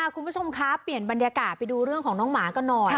คุณผู้ชมคะเปลี่ยนบรรยากาศไปดูเรื่องของน้องหมากันหน่อย